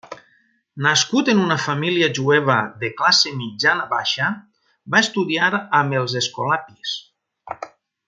Nascut en una família jueva de classe mitjana-baixa, va estudiar amb els escolapis.